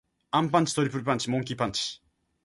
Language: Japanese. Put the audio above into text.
アンパンチ。トリプルパンチ。モンキー・パンチ。